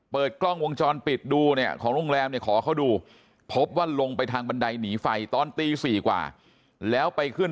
เปิดกล้องวงจรปิดดูเนี่ยของโรงแรมเนี่ยขอเขาดูพบว่าลงไปทางบันไดหนีไฟตอนตี๔กว่าแล้วไปขึ้น